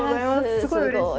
すごいうれしい。